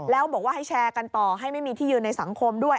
แล้วบอกว่าให้แชร์กันต่อให้ไม่มีที่ยืนในสังคมด้วย